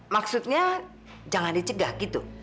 maksudnya jangan dicegah gitu